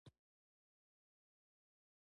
مرکې یې پاللې او غوټې یې خلاصې کړې وې.